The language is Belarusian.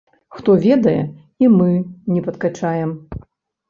Хто ведае, і мы не падкачаем.